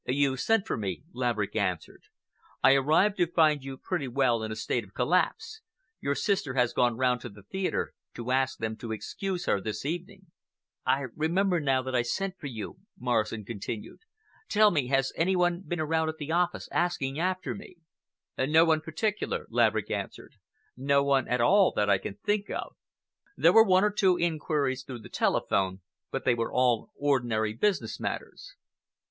"You sent for me," Laverick answered. "I arrived to find you pretty well in a state of collapse. Your sister has gone round to the theatre to ask them to excuse her this evening." "I remember now that I sent for you," Morrison continued. "Tell me, has any one been around at the office asking after me?" "No one particular," Laverick answered,—"no one at all that I can think of. There were one or two inquiries through the telephone, but they were all ordinary business matters."